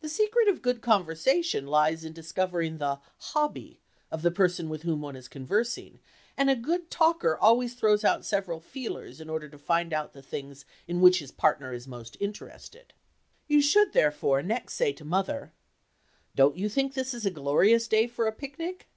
The secret of good conversation lies in discovering the "hobby" of the person with whom one is conversing, and a good talker always throws out several "feelers" in order to find out the things in which his partner is most interested. You should, therefore, next say to mother, "Don't you think this is a glorious day for a picnic?"